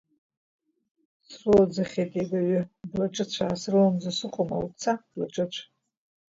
Срылаӡахьеит иагаҩы, Блаҿыцәаа срыламӡо сыҟоума, уца, Блаҿыцә!